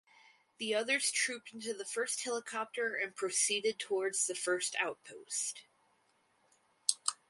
The others trooped into the first helicopter and proceeded towards the first outpost.